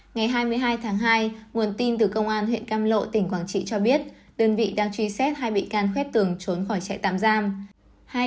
ngày hai mươi hai tháng hai nguồn tin từ công an huyện cam lộ tỉnh quảng trị cho biết đơn vị đang truy xét hai bị can khoét tường trốn khỏi trại tạm giam